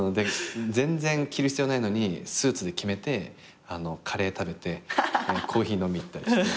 全然着る必要ないのにスーツで決めてカレー食べてコーヒー飲み行ったりして。